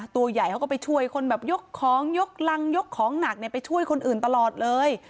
ตัวใหญ่เขาก็ไปช่วยคนแบบยกของยกรังยกของหนักไปช่วยคนอื่นตลอดเลย